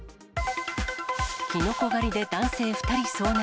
キノコ狩りで男性２人遭難。